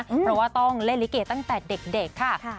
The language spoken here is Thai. เพราะว่าต้องเล่นลิเกตั้งแต่เด็กค่ะ